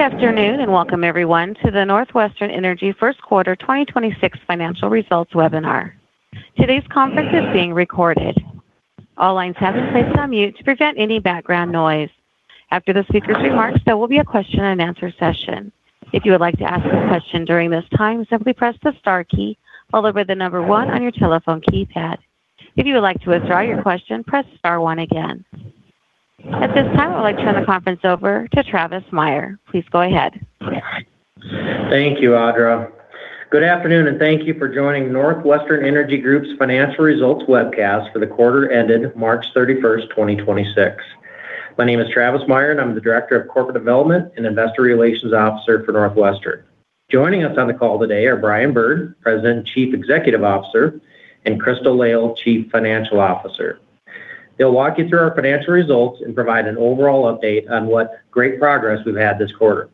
Good afternoon, and welcome everyone to the NorthWestern Energy first quarter 2026 financial results webinar. At this time, I would like to turn the conference over to Travis Meyer. Please go ahead. Thank you, Audra. Good afternoon, and thank you for joining NorthWestern Energy Group's financial results webcast for the quarter ended March 31st, 2026. My name is Travis Meyer, and I'm the Director of Corporate Development and Investor Relations Officer for NorthWestern. Joining us on the call today are Brian Bird, President, Chief Executive Officer, and Crystal Lail, Chief Financial Officer. They'll walk you through our financial results and provide an overall update on what great progress we've had this quarter.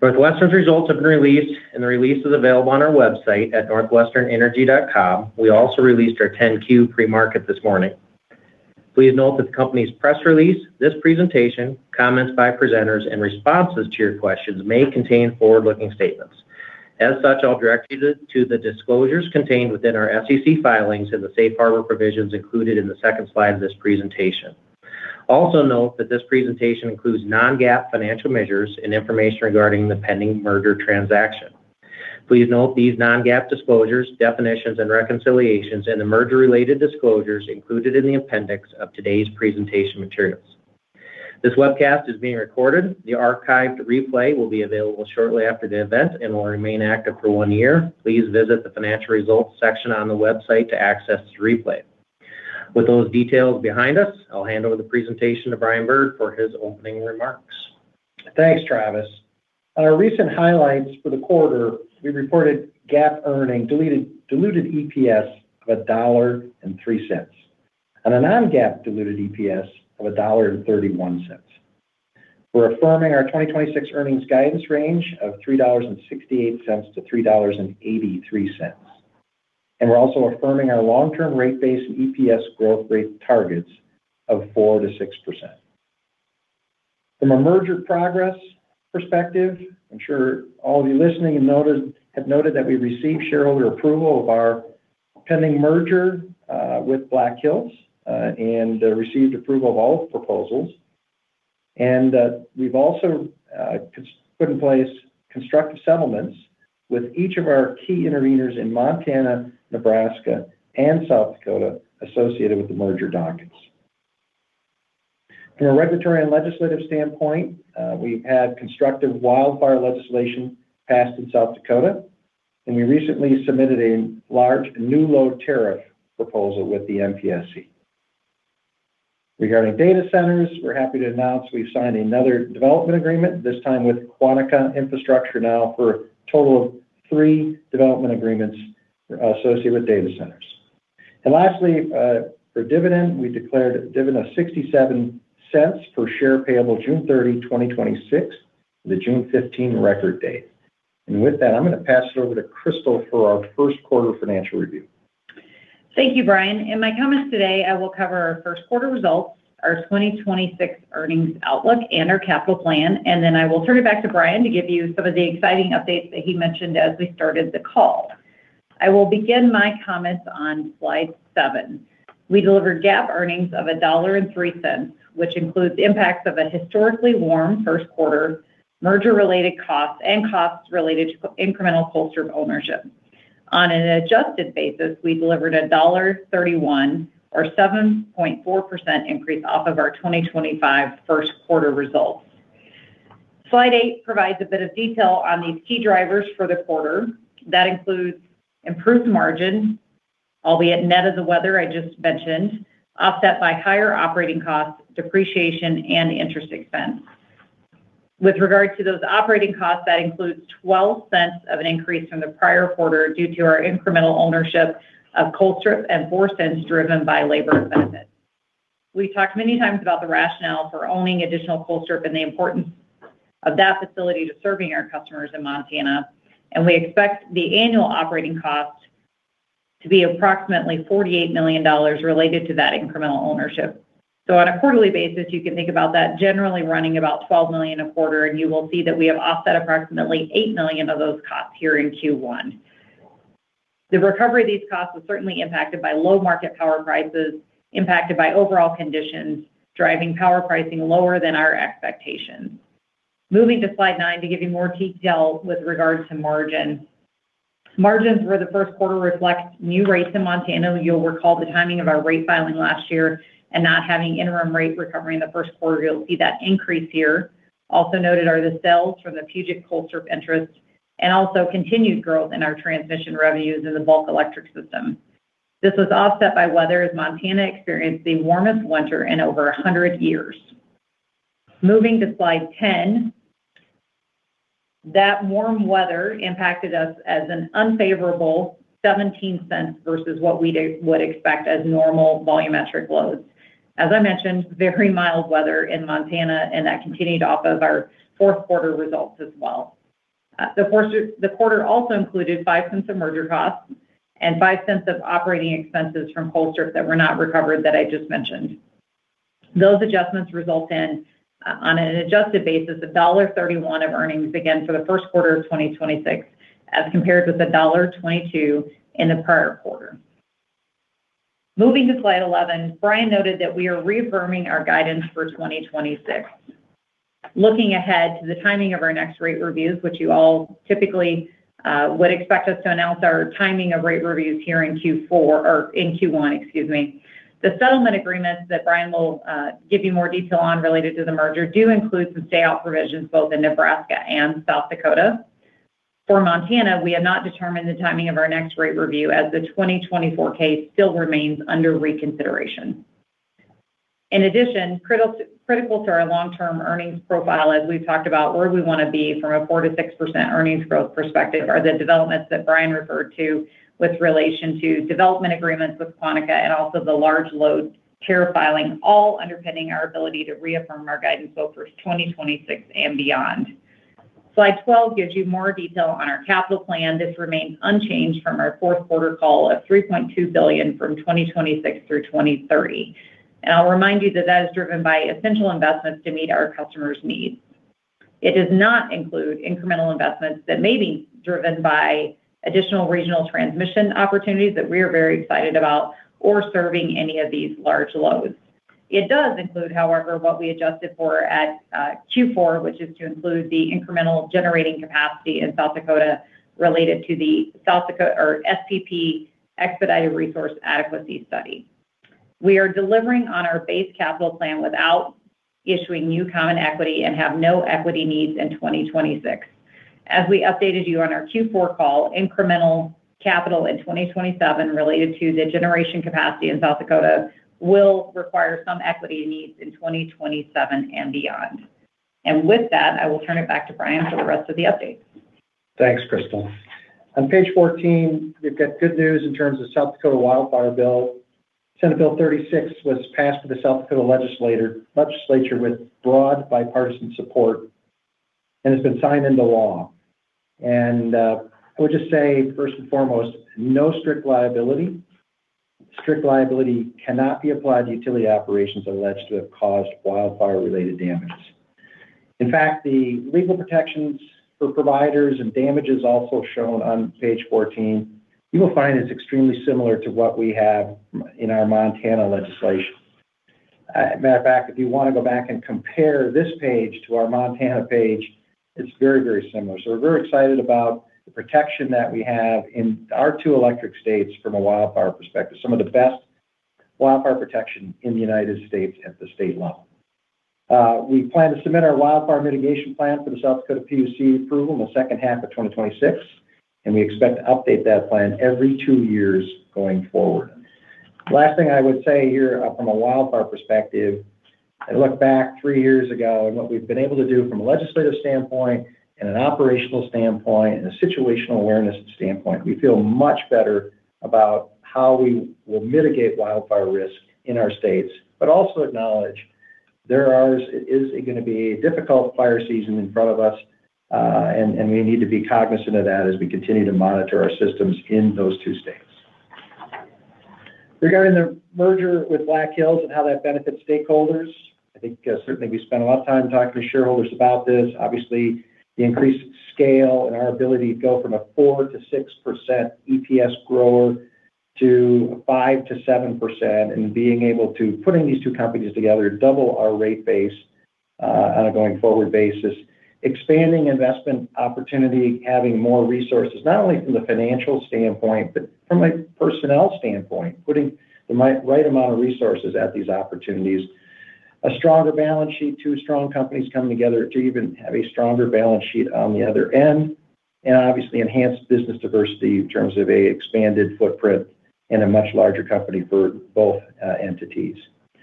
NorthWestern's results have been released, and the release is available on our website at northwesternenergy.com. We also released our 10-Q pre-market this morning. Please note that the company's press release, this presentation, comments by presenters, and responses to your questions may contain forward-looking statements. As such, I'll direct you to the disclosures contained within our SEC filings and the Safe Harbor provisions included in the second slide of this presentation. Also note that this presentation includes non-GAAP financial measures and information regarding the pending merger transaction. Please note these non-GAAP disclosures, definitions, and reconciliations, and the merger-related disclosures included in the appendix of today's presentation materials. This webcast is being recorded. The archived replay will be available shortly after the event and will remain active for one year. Please visit the Financial Results section on the website to access this replay. With those details behind us, I'll hand over the presentation to Brian Bird for his opening remarks. Thanks, Travis. On our recent highlights for the quarter, we reported GAAP diluted EPS of $1.03 on a non-GAAP diluted EPS of $1.31. We're affirming our 2026 earnings guidance range of $3.68-$3.83. We're also affirming our long-term rate base and EPS growth rate targets of 4%-6%. From a merger progress perspective, I'm sure all of you listening have noted that we received shareholder approval of our pending merger with Black Hills and received approval of all proposals. We've also put in place constructive settlements with each of our key interveners in Montana, Nebraska, and South Dakota associated with the merger dockets. From a regulatory and legislative standpoint, we've had constructive wildfire legislation passed in South Dakota, and we recently submitted a Large New Load tariff proposal with the MPSC. Regarding data centers, we're happy to announce we've signed another development agreement, this time with Quantica Infrastructure now for a total of three development agreements associated with data centers. Lastly, for dividend, we declared a dividend of $0.67 per share payable June 30, 2026, with a June 15 record date. With that, I'm gonna pass it over to Crystal for our first quarter financial review. Thank you, Brian. In my comments today, I will cover our first quarter results, our 2026 earnings outlook and our capital plan. Then I will turn it back to Brian to give you some of the exciting updates that he mentioned as we started the call. I will begin my comments on slide seven. We delivered GAAP earnings of $1.03, which includes the impacts of a historically warm first quarter, merger-related costs and costs related to incremental Colstrip ownership. On an adjusted basis, we delivered $1.31 or 7.4% increase off of our 2025 first quarter results. Slide eight provides a bit of detail on these key drivers for the quarter. That includes improved margin, albeit net of the weather I just mentioned, offset by higher operating costs, depreciation, and interest expense. With regard to those operating costs, that includes $0.12 of an increase from the prior quarter due to our incremental ownership of Colstrip and $0.04 driven by labor and benefits. We talked many times about the rationale for owning additional Colstrip and the importance of that facility to serving our customers in Montana. We expect the annual operating cost to be approximately $48 million related to that incremental ownership. On a quarterly basis, you can think about that generally running about $12 million a quarter. You will see that we have offset approximately $8 million of those costs here in Q1. The recovery of these costs was certainly impacted by low market power prices, impacted by overall conditions, driving power pricing lower than our expectations. Moving to slide nine to give you more detail with regards to margin. Margins for the first quarter reflect new rates in Montana. You'll recall the timing of our rate filing last year and not having interim rate recovery in the first quarter, you'll see that increase here. Also noted are the sales from the Puget Colstrip interest and also continued growth in our transmission revenues in the bulk electric system. This was offset by weather as Montana experienced the warmest winter in over 100 years. Moving to slide 10. That warm weather impacted us as an unfavorable $0.17 versus what we would expect as normal volumetric loads. As I mentioned, very mild weather in Montana, and that continued off of our fourth quarter results as well. The quarter also included $0.05 of merger costs and $0.05 of operating expenses from Holter that were not recovered that I just mentioned. Those adjustments result in, on an adjusted basis, $1.31 of earnings again for the first quarter of 2026 as compared with $1.22 in the prior quarter. Moving to slide 11, Brian noted that we are reaffirming our guidance for 2026. Looking ahead to the timing of our next rate reviews, which you all typically would expect us to announce our timing of rate reviews here in Q4, or in Q1, excuse me. The settlement agreements that Brian will give you more detail on related to the merger do include some stay out provisions both in Nebraska and South Dakota. For Montana, we have not determined the timing of our next rate review as the 2024 case still remains under reconsideration. In addition, critical to our long-term earnings profile, as we've talked about where we wanna be from a 4%-6% earnings growth perspective are the developments that Brian referred to with relation to development agreements with Quantica and also the Large Load tariff filing, all underpinning our ability to reaffirm our guidance both for 2026 and beyond. Slide 12 gives you more detail on our capital plan. This remains unchanged from our fourth quarter call of $3.2 billion from 2026 through 2030. I'll remind you that that is driven by essential investments to meet our customers' needs. It does not include incremental investments that may be driven by additional regional transmission opportunities that we are very excited about or serving any of these large loads. It does include, however, what we adjusted for at Q4, which is to include the incremental generating capacity in South Dakota related to the South Dakota or SPP expedited resource adequacy study. We are delivering on our base capital plan without issuing new common equity and have no equity needs in 2026. As we updated you on our Q4 call, incremental capital in 2027 related to the generation capacity in South Dakota will require some equity needs in 2027 and beyond. With that, I will turn it back to Brian for the rest of the update. Thanks, Crystal. On page 14, we've got good news in terms of South Dakota wildfire bill. Senate Bill 36 was passed to the South Dakota legislature with broad bipartisan support and has been signed into law. I would just say first and foremost, no strict liability. Strict liability cannot be applied to utility operations alleged to have caused wildfire-related damage. In fact, the legal protections for providers and damages also shown on page 14, you will find it's extremely similar to what we have in our Montana legislation. Matter of fact, if you wanna go back and compare this page to our Montana page, it's very, very similar. We're very excited about the protection that we have in our two electric states from a wildfire perspective, some of the best wildfire protection in the United States at the state level. We plan to submit our wildfire mitigation plan for the South Dakota PUC approval in the second half of 2026, and we expect to update that plan every two years going forward. Last thing I would say here from a wildfire perspective, I look back three years ago and what we've been able to do from a legislative standpoint and an operational standpoint and a situational awareness standpoint, we feel much better about how we will mitigate wildfire risk in our states, but also acknowledge it is going to be a difficult fire season in front of us, and we need to be cognizant of that as we continue to monitor our systems in those two states. Regarding the merger with Black Hills and how that benefits stakeholders, I think, certainly we spent a lot of time talking to shareholders about this. Obviously, the increased scale and our ability to go from a 4%-6% EPS grower to a 5%-7% and putting these two companies together, double our rate base on a going forward basis, expanding investment opportunity, having more resources, not only from the financial standpoint, but from a personnel standpoint, putting the right amount of resources at these opportunities. A stronger balance sheet, two strong companies coming together to even have a stronger balance sheet on the other end, and obviously enhanced business diversity in terms of a expanded footprint and a much larger company for both entities.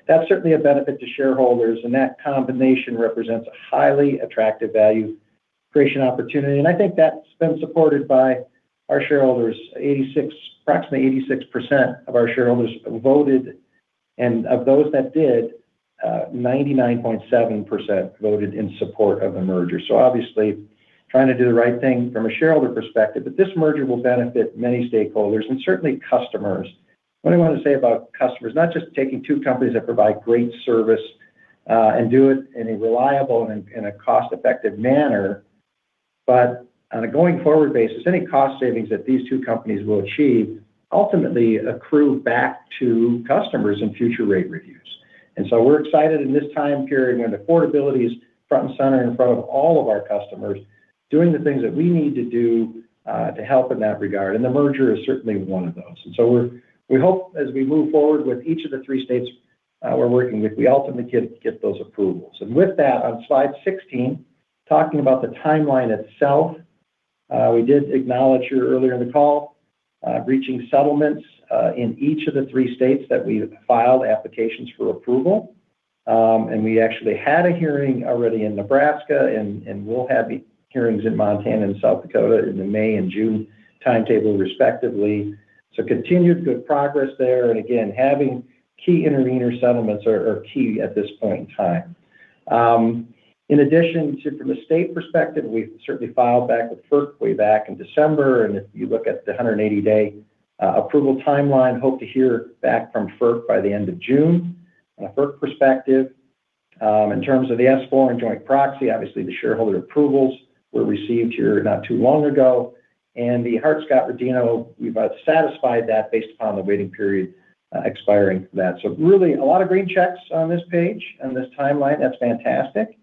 That's certainly a benefit to shareholders, and that combination represents a highly attractive value creation opportunity, and I think that's been supported by our shareholders. Approximately 86% of our shareholders voted, and of those that did, 99.7% voted in support of the merger. Obviously, trying to do the right thing from a shareholder perspective, but this merger will benefit many stakeholders and certainly customers. What I want to say about customers, not just taking two companies that provide great service, and do it in a reliable and a cost-effective manner, but on a going forward basis, any cost savings that these two companies will achieve ultimately accrue back to customers in future rate reviews. We're excited in this time period when affordability is front and center in front of all of our customers, doing the things that we need to do to help in that regard, and the merger is certainly one of those. We hope as we move forward with each of the three states we're working with, we ultimately get those approvals. With that, on slide 16, talking about the timeline itself, we did acknowledge here earlier in the call, reaching settlements in each of the three states that we filed applications for approval. We actually had a hearing already in Nebraska, and we'll have hearings in Montana and South Dakota in the May and June timetable, respectively. So continued good progress there. Again, having key intervener settlements are key at this point in time. In addition to from a state perspective, we've certainly filed back with FERC way back in December. If you look at the 180-day approval timeline, hope to hear back from FERC by the end of June. On a FERC perspective, in terms of the S-4 and joint proxy, obviously the shareholder approvals were received here not too long ago. The Hart-Scott-Rodino, we've satisfied that based upon the waiting period expiring for that. Really a lot of green checks on this page and this timeline. That's fantastic.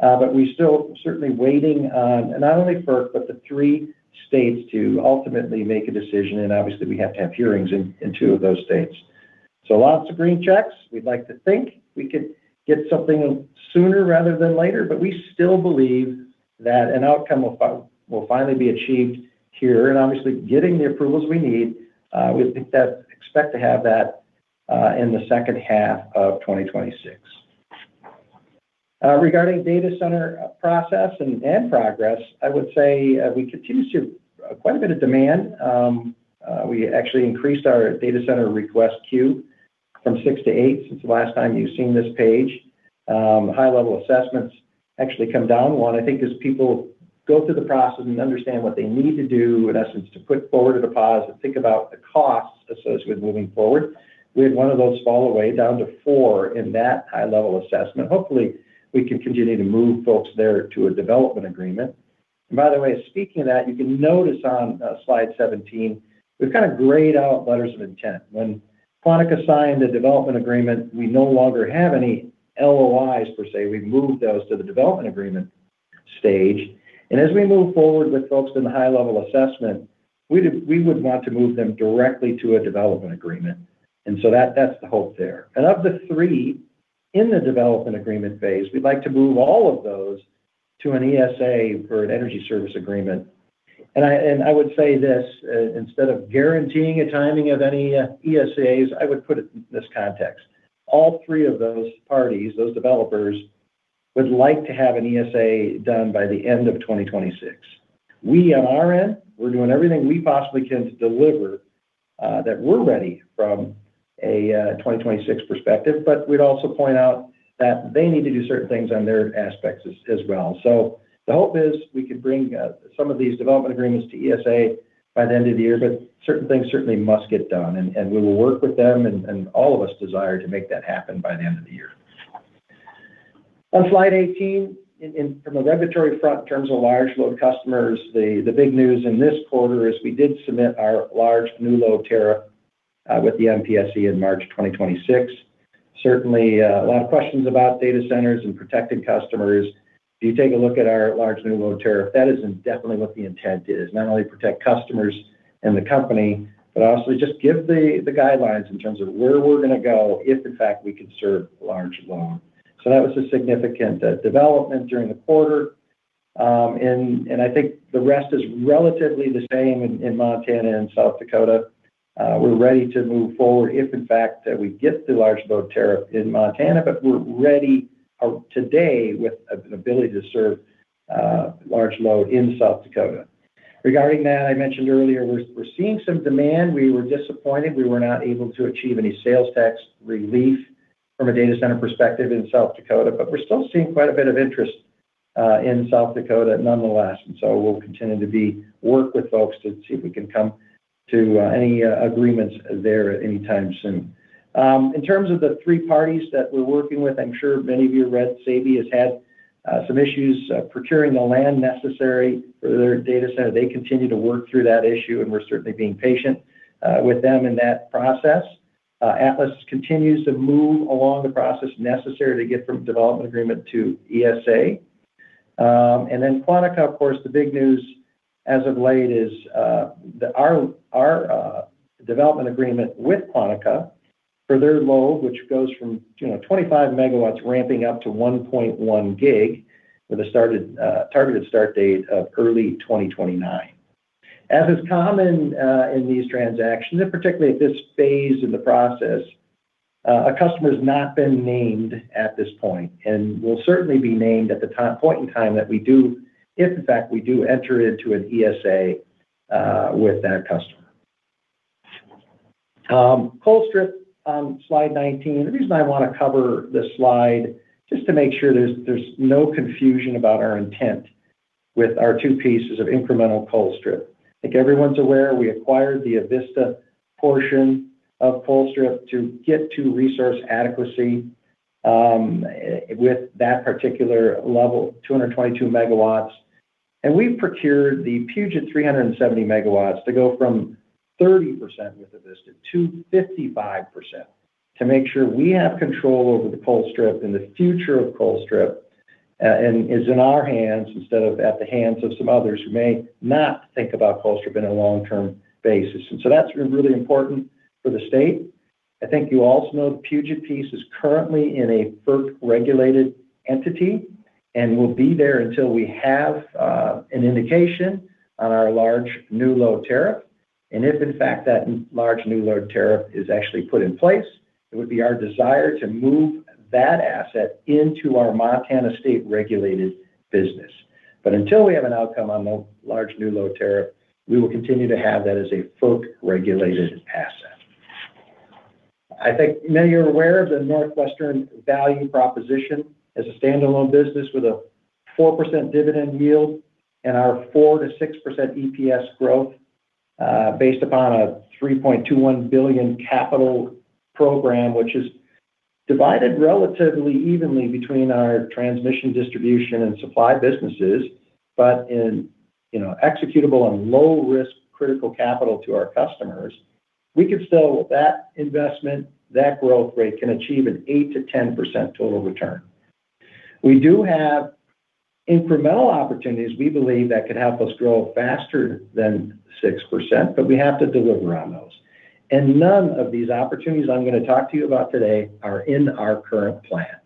We're still certainly waiting on not only FERC, but the three states to ultimately make a decision, and obviously we have to have hearings in two of those states. Lots of green checks. We'd like to think we could get something sooner rather than later, but we still believe that an outcome will finally be achieved here, and obviously getting the approvals we need, we expect to have that in the second half of 2026. Regarding data center process and progress, I would say, we continue to see quite a bit of demand. We actually increased our data center request queue from six to eight since the last time you've seen this page. High-level assessments actually come down. One, I think as people go through the process and understand what they need to do, in essence, to put forward a deposit, think about the costs associated with moving forward. We had one of those fall away down to four in that high-level assessment. Hopefully, we can continue to move folks there to a development agreement. By the way, speaking of that, you can notice on slide 17, we've kinda grayed out letters of intent. When Quantica signed the development agreement, we no longer have any LOIs per se. We've moved those to the development agreement stage. As we move forward with folks in the high-level assessment, we would want to move them directly to a development agreement. That's the hope there. Of the three in the development agreement phase, we'd like to move all of those to an ESA or an energy service agreement. I would say this, instead of guaranteeing a timing of any ESAs, I would put it in this context. All three of those parties, those developers would like to have an ESA done by the end of 2026. We on our end, we're doing everything we possibly can to deliver that we're ready from a 2026 perspective, but we'd also point out that they need to do certain things on their aspects as well. The hope is we could bring some of these development agreements to ESA by the end of the year, but certain things certainly must get done. We will work with them and all of us desire to make that happen by the end of the year. On slide 18, from a regulatory front in terms of large load customers, the big news in this quarter is we did submit our Large New Load tariff with the MPSC in March 2026. Certainly, a lot of questions about data centers and protecting customers. If you take a look at our Large New Load tariff, that is definitely what the intent is. Not only protect customers and the company, but also just give the guidelines in terms of where we're gonna go if in fact we could serve large load. That was a significant development during the quarter. I think the rest is relatively the same in Montana and South Dakota. We're ready to move forward if in fact that we get the Large New Load tariff in Montana, but we're ready today with an ability to serve large load in South Dakota. Regarding that, I mentioned earlier, we're seeing some demand. We were disappointed we were not able to achieve any sales tax relief from a data center perspective in South Dakota, but we're still seeing quite a bit of interest in South Dakota nonetheless. We'll continue to work with folks to see if we can come to any agreements there any time soon. In terms of the three parties that we're working with, I'm sure many of you read Sabey has had some issues procuring the land necessary for their data center. They continue to work through that issue, and we're certainly being patient with them in that process. Atlas continues to move along the process necessary to get from development agreement to ESA. Quantica, of course, the big news as of late is our development agreement with Quantica for their load, which goes from, you know, 25 MW ramping up to 1.1 GW with a targeted start date of early 2029. As is common, in these transactions, and particularly at this phase in the process, a customer's not been named at this point and will certainly be named at the point in time that we do if in fact we do enter into an ESA with that customer. Colstrip on slide 19. The reason I want to cover this slide just to make sure there's no confusion about our intent with our two pieces of incremental Colstrip. I think everyone's aware we acquired the Avista portion of Colstrip to get to resource adequacy with that particular level, 222 MW. We've procured the Puget 370 MW to go from 30% with Avista to 55% to make sure we have control over the Colstrip and the future of Colstrip is in our hands instead of at the hands of some others who may not think about Colstrip in a long-term basis. That's really important for the state. I think you also know Puget is currently in a FERC-regulated entity and will be there until we have an indication on our Large New Load tariff. If in fact that Large New Load tariff is actually put in place, it would be our desire to move that asset into our Montana state-regulated business. Until we have an outcome on the Large New Load tariff, we will continue to have that as a FERC-regulated asset. I think many are aware of the NorthWestern value proposition as a standalone business with a 4% dividend yield and our 4%-6% EPS growth, based upon a $3.21 billion capital program, which is divided relatively evenly between our transmission, distribution, and supply businesses. In, you know, executable and low-risk critical capital to our customers, we could still, with that investment, that growth rate can achieve an 8%-10% total return. We do have incremental opportunities we believe that could help us grow faster than 6%, we have to deliver on those. None of these opportunities I'm gonna talk to you about today are in our current plan.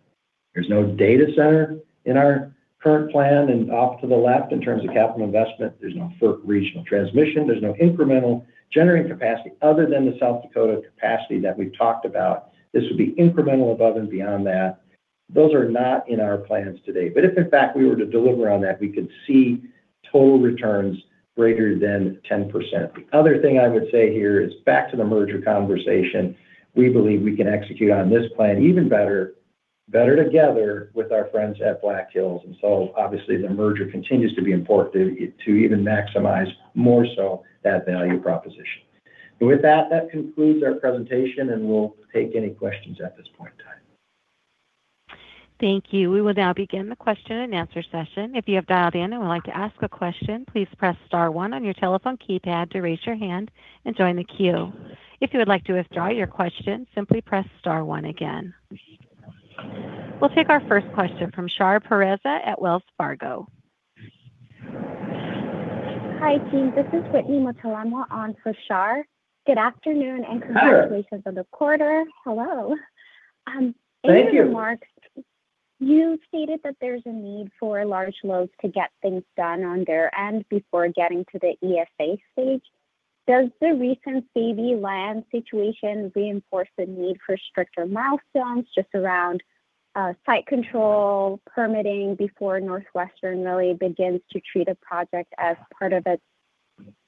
There's no data center in our current plan, off to the left in terms of capital investment, there's no FERC regional transmission. There's no incremental generating capacity other than the South Dakota capacity that we've talked about. This would be incremental above and beyond that. Those are not in our plans today. If in fact we were to deliver on that, we could see total returns greater than 10%. The other thing I would say here is back to the merger conversation. We believe we can execute on this plan even better, better together with our friends at Black Hills. Obviously the merger continues to be important to even maximize more so that value proposition. With that concludes our presentation, and we'll take any questions at this point in time. Thank you. We will now begin the question and answer session. If you have dialed in and would like to ask a question, please press star one on your telephone keypad to raise your hand and join the queue. If you would like to withdraw your question, simply press star one again. We will take our first question from Shar Pourreza at Wells Fargo. Hi, team. This is Whitney Mutalemwa on for Shar. Good afternoon. Hi there. Congratulations on the quarter. Hello. Thank you. On your remark, you stated that there's a need for large loads to get things done on their end before getting to the ESA stage. Does the recent Sabey land situation reinforce the need for stricter milestones just around site control permitting before NorthWestern really begins to treat a project as part of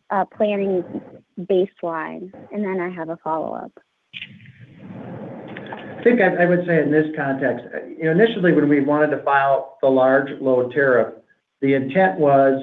a planning baseline? Then I have a follow-up. I think I would say in this context, you know, initially when we wanted to file the Large Load tariff, the intent was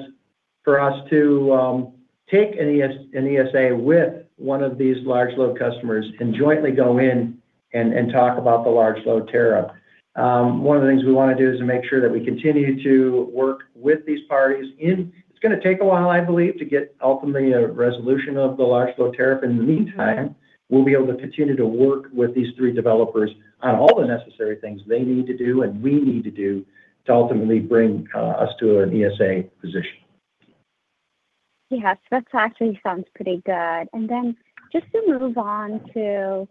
for us to take an ESA with one of these large load customers and jointly go in and talk about the Large Load tariff. One of the things we want to do is to make sure that we continue to work with these parties in. It's gonna take a while, I believe, to get ultimately a resolution of the Large Load tariff. In the meantime, we'll be able to continue to work with these three developers on all the necessary things they need to do and we need to do to ultimately bring us to an ESA position. That actually sounds pretty good. Just to move on to,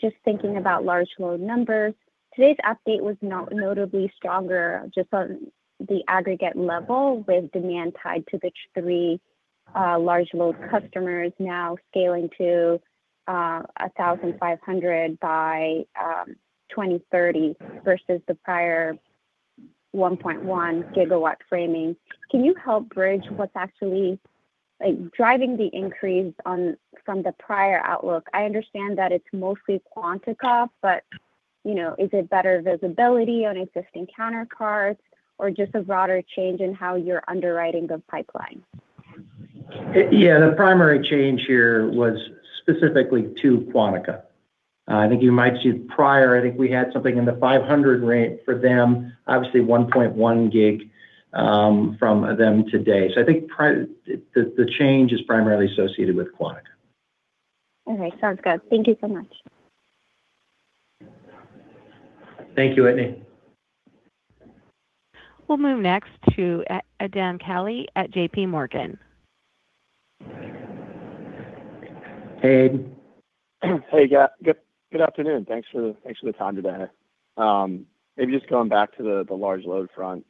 just thinking about large load numbers, today's update was notably stronger just on the aggregate level with demand tied to the three large load customers now scaling to 1,500 by 2030 versus the prior 1.1 GW framing. Can you help bridge what's actually, like, driving the increase from the prior outlook? I understand that it's mostly Quantica, but, you know, is it better visibility on existing counter cards or just a broader change in how you're underwriting the pipeline? Yeah, the primary change here was specifically to Quantica. I think you might see prior, I think we had something in the 500 MW range for them, obviously 1.1 GW from them today. I think the change is primarily associated with Quantica. Okay. Sounds good. Thank you so much. Thank you, Whitney. We'll move next to Aidan Kelly at JPMorgan. Hey, Aidan. Good afternoon. Thanks for the time today. Maybe just going back to the large load front.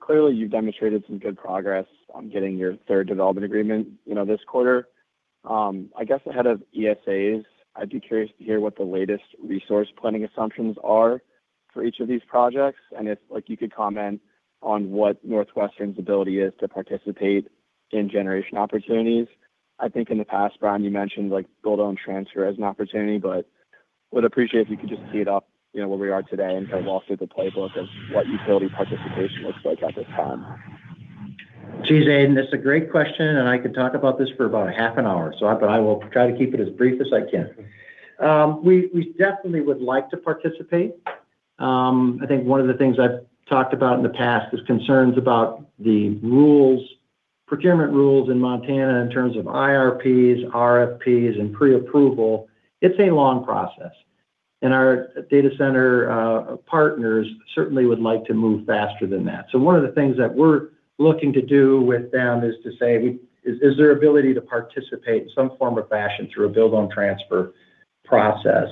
Clearly you've demonstrated some good progress on getting your third development agreement, you know, this quarter. I guess ahead of ESAs, I'd be curious to hear what the latest resource planning assumptions are for each of these projects, and if, like, you could comment on what NorthWestern's ability is to participate in generation opportunities. I think in the past, Brian, you mentioned, like, build-own-transfer as an opportunity, but would appreciate if you could just tee it up, you know, where we are today and kind of walk through the playbook of what utility participation looks like at this time. Geez, Aidan, this is a great question, and I could talk about this for about a half an hour, but I will try to keep it as brief as I can. We definitely would like to participate. I think one of the things I've talked about in the past is concerns about the rules, procurement rules in Montana in terms of IRPs, RFPs, and pre-approval. It's a long process. Our data center partners certainly would like to move faster than that. One of the things that we're looking to do with them is to say, is there ability to participate in some form or fashion through a build-own-transfer process.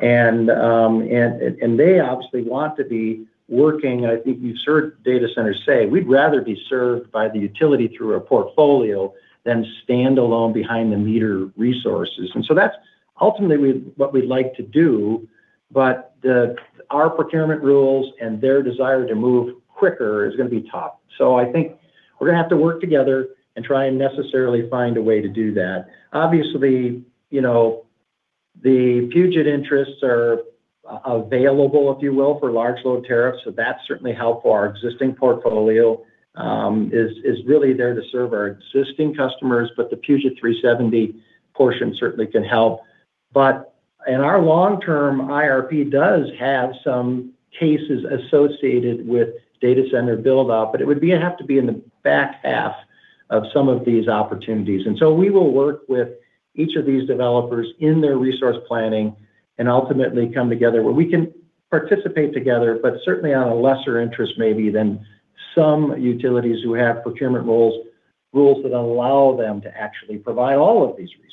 They obviously want to be working. I think you've heard data centers say, we'd rather be served by the utility through a portfolio than stand alone behind the meter resources. That's ultimately what we'd like to do, but the, our procurement rules and their desire to move quicker is going to be tough. I think we're going to have to work together and try and necessarily find a way to do that. Obviously, you know, the Puget interests are available, if you will, for large load tariffs, that's certainly helpful. Our existing portfolio is really there to serve our existing customers, the Puget 370 MW portion certainly can help. Our long-term IRP does have some cases associated with data center build-out, it would have to be in the back half of some of these opportunities. We will work with each of these developers in their resource planning and ultimately come together where we can participate together, but certainly on a lesser interest maybe than some utilities who have procurement rules that allow them to actually provide all of these resources.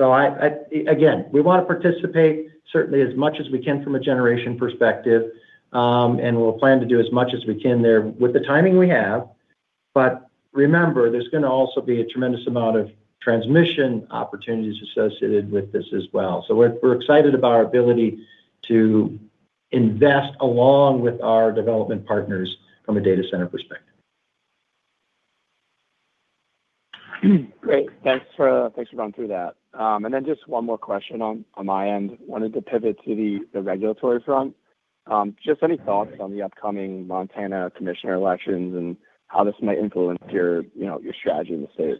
I, again, we wanna participate certainly as much as we can from a generation perspective, and we'll plan to do as much as we can there with the timing we have. Remember, there's gonna also be a tremendous amount of transmission opportunities associated with this as well. We're excited about our ability to invest along with our development partners from a data center perspective. Great. Thanks for going through that. Then just one more question on my end. Wanted to pivot to the regulatory front. Just any thoughts on the upcoming Montana commissioner elections and how this might influence your, you know, your strategy in the state?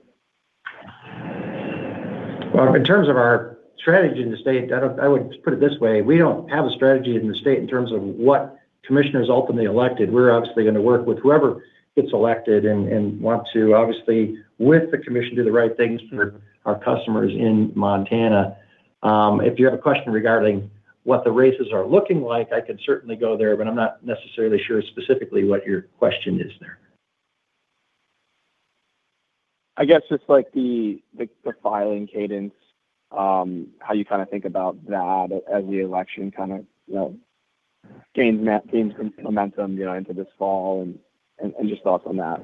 Well, in terms of our strategy in the state, I would put it this way. We don't have a strategy in the state in terms of what commissioner is ultimately elected. We're obviously gonna work with whoever gets elected and want to obviously, with the commission, do the right things for our customers in Montana. If you have a question regarding what the races are looking like, I can certainly go there, but I'm not necessarily sure specifically what your question is there. I guess just, like, the filing cadence, how you kinda think about that as the election kinda, you know, gains some momentum, you know, into this fall and just thoughts on that.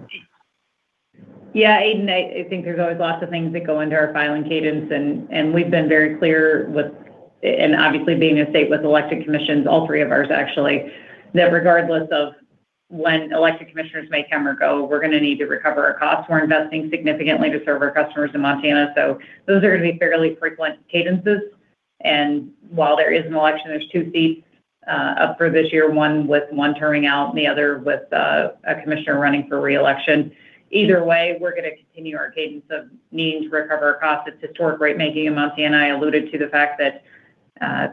Yeah, Aidan, I think there's always lots of things that go into our filing cadence, and we've been very clear with. Obviously being a state with elected commissions, all three of ours actually, that regardless of when elected commissioners may come or go, we're gonna need to recover our costs. We're investing significantly to serve our customers in Montana. Those are gonna be fairly frequent cadences. While there is an election, there's two seats up for this year, one with one terming out and the other with a commissioner running for re-election. Either way, we're gonna continue our cadence of needing to recover our costs. It's historic rate making in Montana. I alluded to the fact that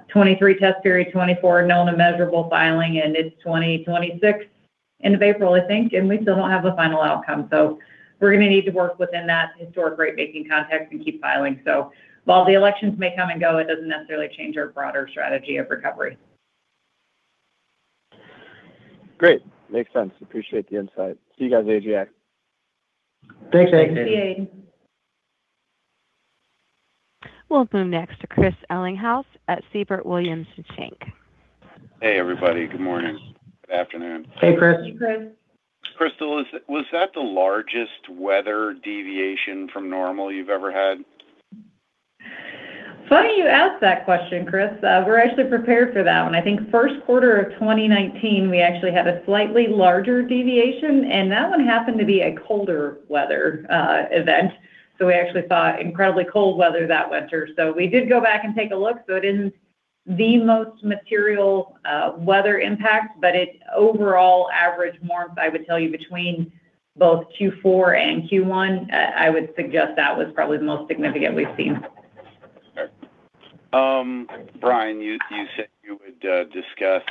2023 test period, 2024 known and measurable filing. It's 2026, end of April I think. We still don't have a final outcome. We're going to need to work within that historic ratemaking context and keep filing. While the elections may come and go, it doesn't necessarily change our broader strategy of recovery. Great. Makes sense. Appreciate the insight. See you guys at AGA. Thanks, Aidan. See you, Aidan. We'll move next to Chris Ellinghaus at Siebert Williams Shank. Hey, everybody. Good morning. Good afternoon. Hey, Chris. Hey, Chris. Crystal, was that the largest weather deviation from normal you've ever had? Funny you ask that question, Chris. We're actually prepared for that one. I think first quarter of 2019 we actually had a slightly larger deviation, that one happened to be a colder weather event. We actually saw incredibly cold weather that winter. We did go back and take a look. It isn't the most material weather impact, but overall average warmth, I would tell you between both Q4 and Q1, I would suggest that was probably the most significant we've seen. Brian, you said you would discuss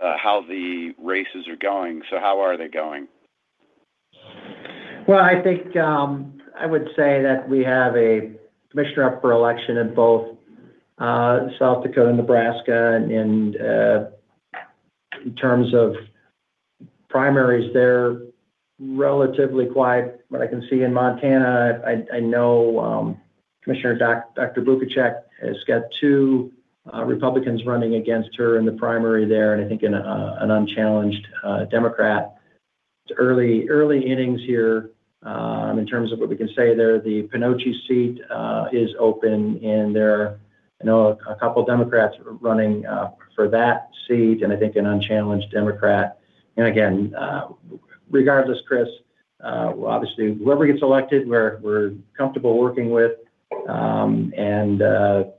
how the races are going. How are they going? I think, I would say that we have a commissioner up for election in both South Dakota and Nebraska, in terms of primaries there, relatively quiet. I can see in Montana, I know Commissioner Bukacek has got two republicans running against her in the primary there, and I think an unchallenged democrat. It's early innings here, in terms of what we can say there. The Pinocci seat is open, and there are, I know, a couple democrats running for that seat, and I think an unchallenged democrat. Again, regardless, Chris, obviously whoever gets elected, we're comfortable working with.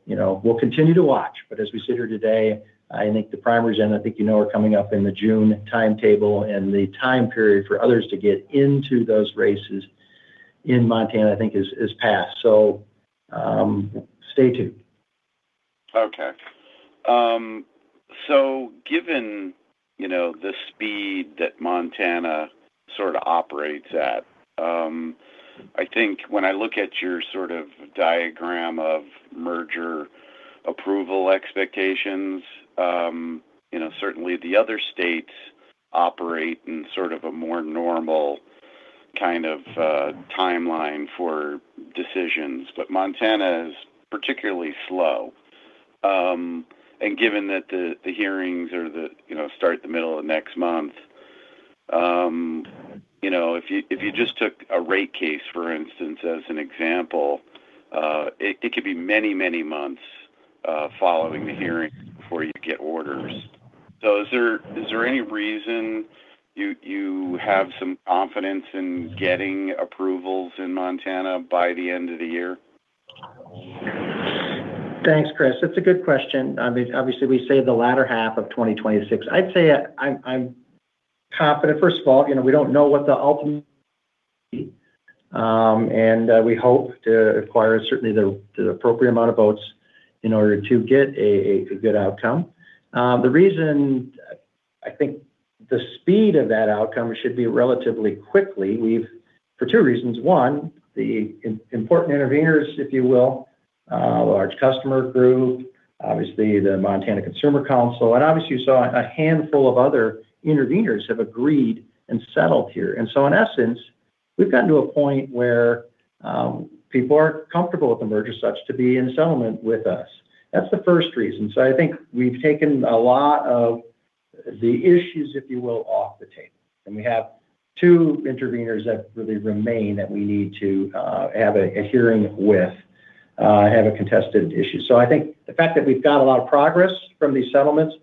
You know, we'll continue to watch. As we sit here today, I think the primaries, and I think you know are coming up in the June timetable, and the time period for others to get into those races in Montana I think is passed. Stay tuned. Okay. Given, you know, the speed that Montana sort of operates at, I think when I look at your sort of diagram of merger approval expectations, you know, certainly the other states operate in sort of a more normal kind of timeline for decisions, but Montana is particularly slow. Given that the hearings are the middle of next month, if you just took a rate case, for instance, as an example, it could be many, many months following the hearing before you get orders. Is there any reason you have some confidence in getting approvals in Montana by the end of the year? Thanks, Chris. That's a good question. Obviously, we say the latter half of 2026. I'd say I'm confident. First of all, you know, we don't know what the ultimate, and we hope to acquire certainly the appropriate amount of votes in order to get a good outcome. The reason I think the speed of that outcome should be relatively quickly. For two reasons. One, the important interveners, if you will, a large customer group, obviously the Montana Consumer Counsel, obviously you saw a handful of other interveners have agreed and settled here. In essence, we've gotten to a point where people are comfortable with the merger, such to be in settlement with us. That's the first reason. I think we've taken a lot of the issues, if you will, off the table. We have two interveners that really remain that we need to have a hearing with, have a contested issue. I think the fact that we've got a lot of progress from these settlements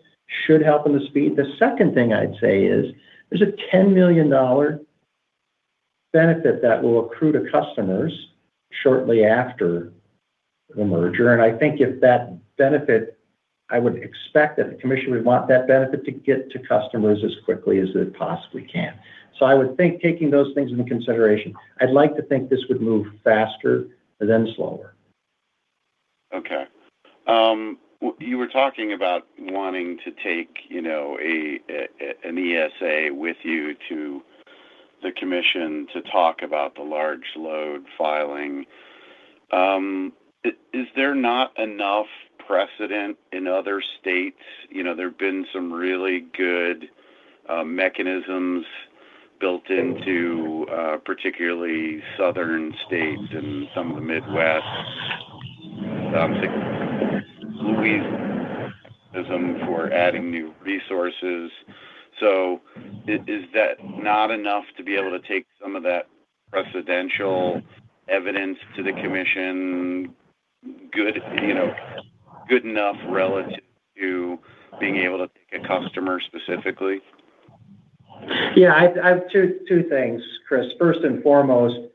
should help them to speed. The second thing I'd say is there's a $10 million benefit that will accrue to customers shortly after the merger. I think if that benefit, I would expect that the commission would want that benefit to get to customers as quickly as it possibly can. I would think taking those things into consideration, I'd like to think this would move faster than slower. Okay. You were talking about wanting to take, you know, an ESA with you to the commission to talk about the large load filing. Is there not enough precedent in other states? You know, there have been some really good mechanisms built into particularly southern states and some of the Midwest for adding new resources. Is that not enough to be able to take some of that precedential evidence to the commission good enough relative to being able to pick a customer specifically? Yeah. Two things, Chris. First and foremost,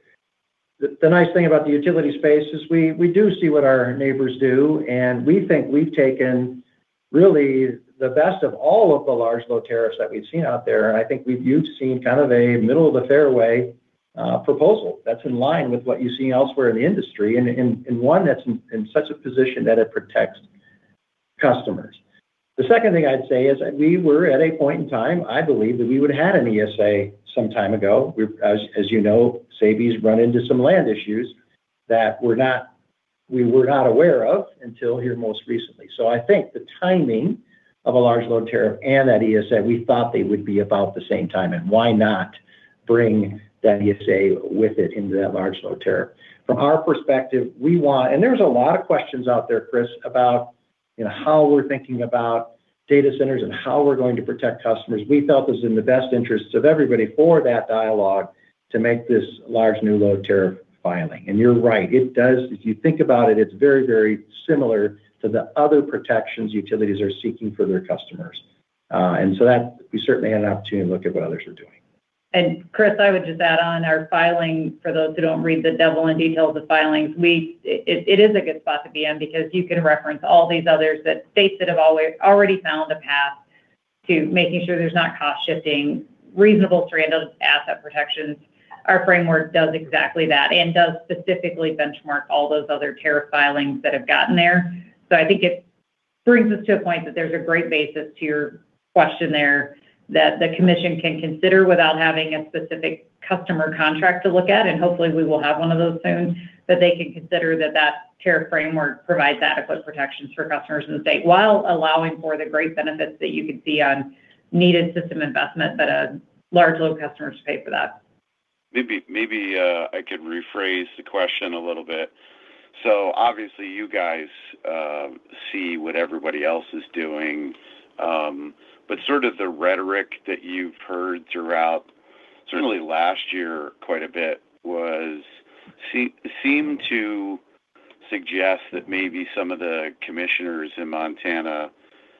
the nice thing about the utility space is we do see what our neighbors do, and we think we've taken really the best of all of the large load tariffs that we've seen out there, and I think you've seen kind of a middle-of-the-fairway proposal that's in line with what you're seeing elsewhere in the industry, and one that's in such a position that it protects customers. The second thing I'd say is that we were at a point in time, I believe, that we would've had an ESA some time ago. As you know, Sabey's run into some land issues that we were not aware of until here most recently. I think the timing of a Large Load tariff and that ESA, we thought they would be about the same time, and why not bring that ESA with it into that Large Load tariff. From our perspective, there's a lot of questions out there, Chris, about, you know, how we're thinking about data centers and how we're going to protect customers. We felt it was in the best interests of everybody for that dialogue to make this Large New Load tariff filing. You're right, if you think about it's very similar to the other protections utilities are seeking for their customers. That, we certainly had an opportunity to look at what others are doing. Chris, I would just add on our filing, for those who don't read the devil in detail of the filings, It is a good spot to be in because you can reference all these others that states that have always already found a path to making sure there's not cost shifting, reasonable stranded asset protections. Our framework does exactly that and does specifically benchmark all those other tariff filings that have gotten there. I think it brings us to a point that there's a great basis to your question there that the Commission can consider without having a specific customer contract to look at, and hopefully we will have one of those soon, that they can consider that that tariff framework provides adequate protections for customers in the state while allowing for the great benefits that you could see on needed system investment that large load customers pay for that. Maybe I could rephrase the question a little bit. Obviously you guys see what everybody else is doing, but sort of the rhetoric that you've heard throughout certainly last year quite a bit seemed to suggest that maybe some of the commissioners in Montana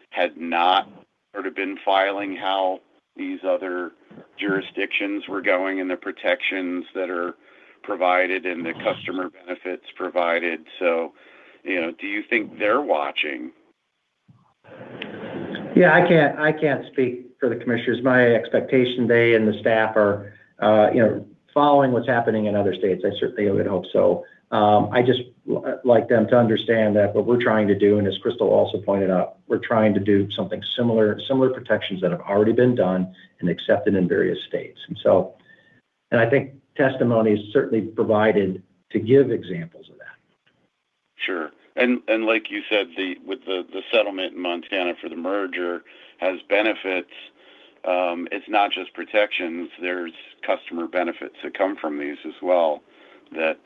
had not sort of been filing how these other jurisdictions were going and the protections that are provided and the customer benefits provided. You know, do you think they're watching? Yeah. I can't speak for the commissioners. My expectation, they and the staff are, you know, following what's happening in other states. I certainly would hope so. I'd just like them to understand that what we're trying to do, and as Crystal also pointed out, we're trying to do something similar protections that have already been done and accepted in various states. I think testimony is certainly provided to give examples of that. Sure. Like you said, with the settlement in Montana for the merger has benefits. It's not just protections. There's customer benefits that come from these as well that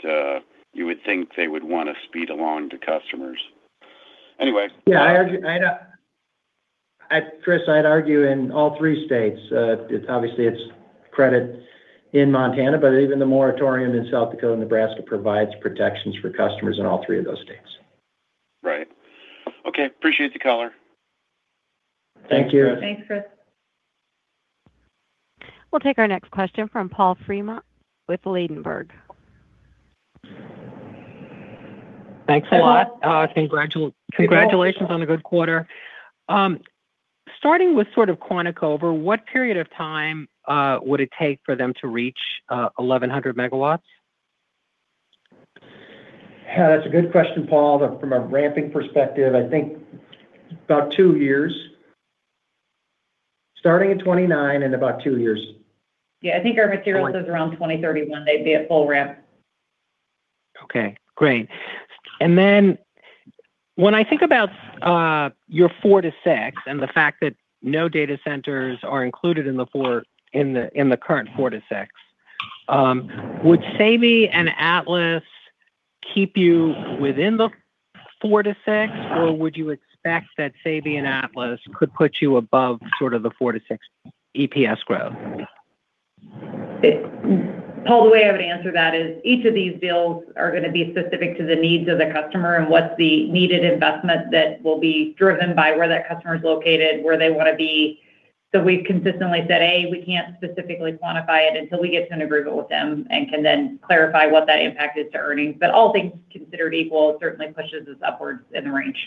you would think they would wanna speed along to customers. Anyway. Yeah, Chris, I'd argue in all three states. It's obviously it's credit in Montana, but even the moratorium in South Dakota and Nebraska provides protections for customers in all three of those states. Right. Okay, appreciate the color. Thank you. Thanks, Chris. We'll take our next question from Paul Fremont with Ladenburg. Thanks a lot. Congratulations on the good quarter. Starting with sort of Quantica, over what period of time would it take for them to reach 1,100 MW? Yeah, that's a good question, Paul. From a ramping perspective, I think about two years. Starting at 2029 and about two years. Yeah, I think our material says around 2031, they'd be at full ramp. Okay, great. When I think about your 4%-6% and the fact that no data centers are included in the current 4%-6%, would Sabey and Atlas keep you within the 4%-6%, or would you expect that Sabey and Atlas could put you above sort of the 4%-6% EPS growth? Paul, the way I would answer that is each of these deals are gonna be specific to the needs of the customer and what's the needed investment that will be driven by where that customer is located, where they wanna be. We've consistently said, A, we can't specifically quantify it until we get to an agreement with them and can then clarify what that impact is to earnings. All things considered equal, it certainly pushes us upwards in the range.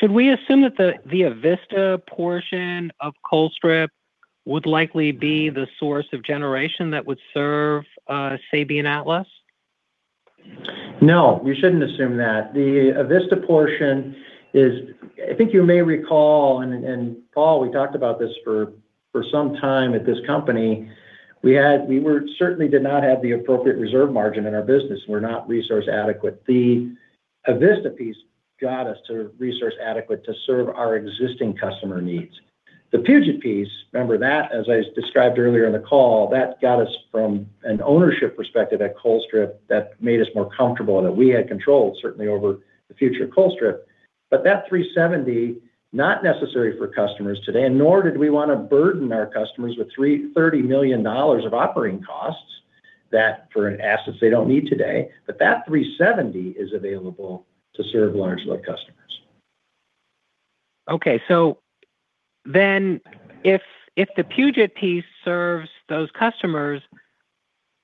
Should we assume that the Avista portion of Colstrip would likely be the source of generation that would serve, Sabey and Atlas? No, you shouldn't assume that. The Avista portion, I think you may recall, and Paul, we talked about this for some time at this company. We certainly did not have the appropriate reserve margin in our business. We're not resource adequate. The Avista piece got us to resource adequate to serve our existing customer needs. The Puget piece, remember that, as I described earlier in the call, that got us from an ownership perspective at Colstrip that made us more comfortable that we had control, certainly over the future of Colstrip. That 370 MW, not necessary for customers today, and nor did we want to burden our customers with $30 million of operating costs for an asset they don't need today. That 370 MW is available to serve large load customers. Okay. If, if the Puget piece serves those customers,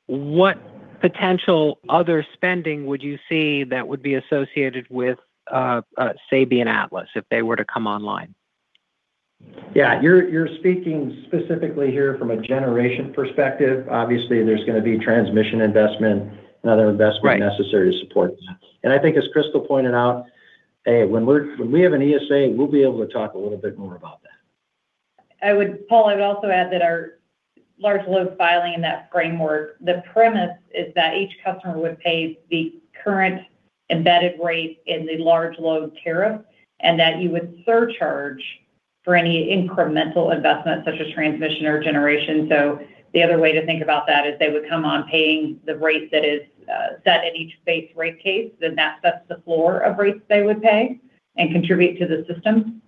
what potential other spending would you see that would be associated with Sabey and Atlas if they were to come online? Yeah, you're speaking specifically here from a generation perspective. Obviously, there's gonna be transmission investment and other investment necessary to support that. I think as Crystal pointed out, when we have an ESA, we'll be able to talk a little bit more about that. Paul, I would also add that our Large Load filing in that framework, the premise is that each customer would pay the current embedded rate in the Large Load tariff and that you would surcharge for any incremental investment such as transmission or generation. The other way to think about that is they would come on paying the rate that is set at each base rate case, then that sets the floor of rates they would pay and contribute to the system.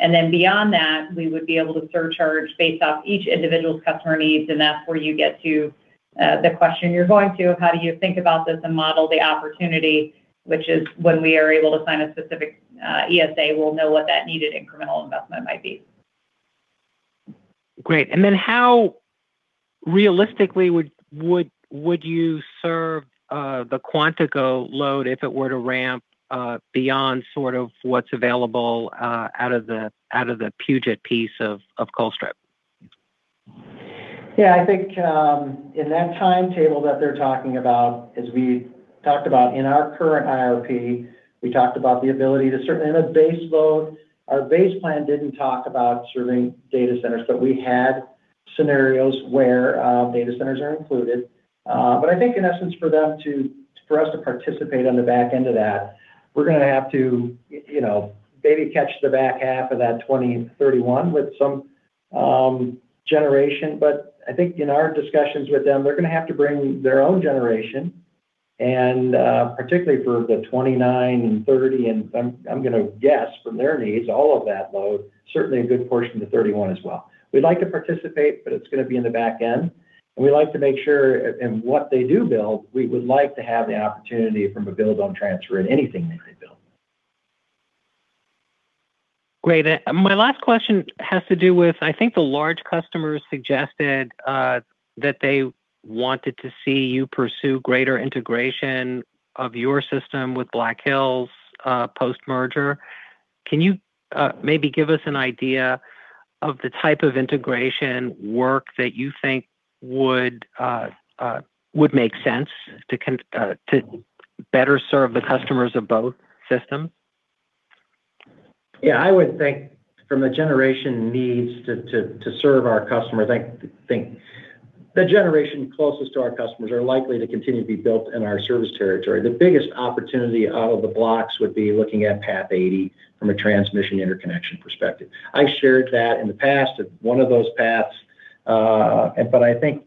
Then beyond that, we would be able to surcharge based off each individual customer needs, and that's where you get to the question you're going to of how do you think about this and model the opportunity, which is when we are able to sign a specific ESA, we'll know what that needed incremental investment might be. Great. Then how realistically would you serve the Quantica load if it were to ramp beyond sort of what's available out of the Puget piece of Colstrip? In that timetable that they're talking about, as we talked about in our current IRP, we talked about the ability to certainly in a base load. Our base plan didn't talk about serving data centers, but we had scenarios where data centers are included. In essence for us to participate on the back end of that, we're gonna have to, you know, maybe catch the back half of that 2031 with some generation. In our discussions with them, they're gonna have to bring their own generation, and particularly for the 29 MW and 30 MW, and I'm gonna guess from their needs, all of that load, certainly a good portion to 31 MW as well. We'd like to participate, but it's gonna be in the back end. We like to make sure in what they do build, we would like to have the opportunity from a build-own-transfer in anything they might build. Great. My last question has to do with, I think the large customers suggested that they wanted to see you pursue greater integration of your system with Black Hills', post-merger. Can you maybe give us an idea of the type of integration work that you think would make sense to better serve the customers of both systems? Yeah, I would think from a generation needs to serve our customers, I think the generation closest to our customers are likely to continue to be built in our service territory. The biggest opportunity out of the blocks would be looking at Path 80 from a transmission interconnection perspective. I shared that in the past of one of those paths. I think,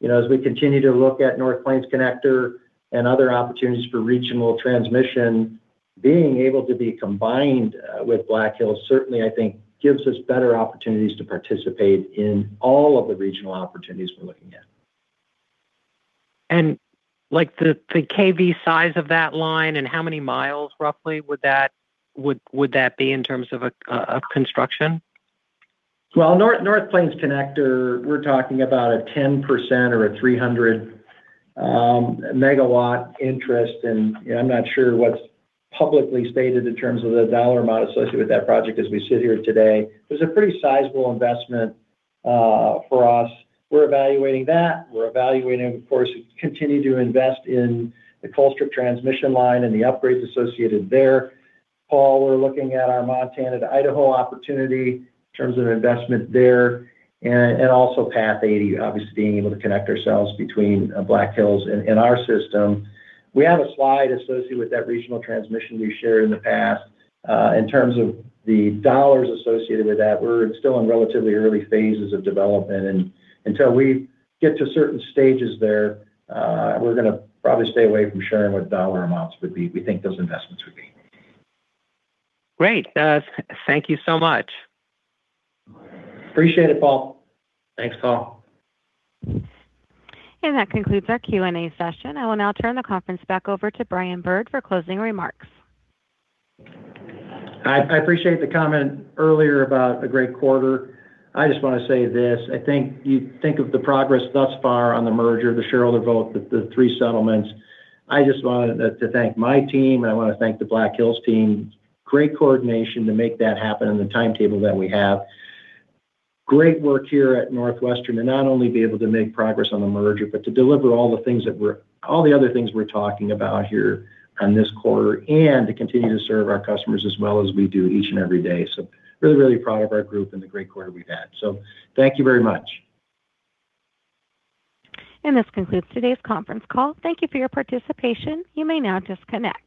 you know, as we continue to look at North Plains Connector and other opportunities for regional transmission, being able to be combined with Black Hills certainly, I think, gives us better opportunities to participate in all of the regional opportunities we're looking at. Like the kV size of that line and how many miles roughly would that be in terms of construction? Well, North Plains Connector, we're talking about a 10% or a 300 MW interest. You know, I'm not sure what's publicly stated in terms of the dollar amount associated with that project as we sit here today. It was a pretty sizable investment for us. We're evaluating that. We're evaluating, of course, continue to invest in the Colstrip transmission line and the upgrades associated there. Paul, we're looking at our Montana to Idaho opportunity in terms of investment there and also Path 80, obviously, being able to connect ourselves between Black Hills and our system. We have a slide associated with that regional transmission we've shared in the past. In terms of the dollars associated with that, we're still in relatively early phases of development. Until we get to certain stages there, we're gonna probably stay away from sharing what dollar amounts would be, we think those investments would be. Great. Thank you so much. Appreciate it, Paul. Thanks, Paul. That concludes our Q&A session. I will now turn the conference back over to Brian Bird for closing remarks. I appreciate the comment earlier about a great quarter. I just want to say this, I think you think of the progress thus far on the merger, the shareholder vote, the three settlements. I just wanted to thank my team, and I want to thank the Black Hills team. Great coordination to make that happen in the timetable that we have. Great work here at NorthWestern to not only be able to make progress on the merger, but to deliver all the other things we're talking about here on this quarter and to continue to serve our customers as well as we do each and every day. Really proud of our group and the great quarter we've had. Thank you very much. This concludes today's conference call. Thank you for your participation. You may now disconnect.